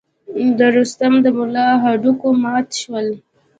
د رستم د ملا هډوکي مات شول.